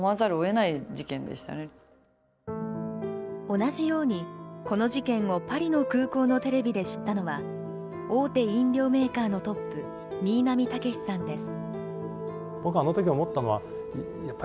同じようにこの事件をパリの空港のテレビで知ったのは大手飲料メーカーのトップ新浪剛史さんです。